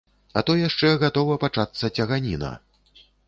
А то яшчэ гатова пачацца цяганіна.